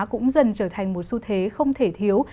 cũng dần trở thành một xu thế không thể thiếu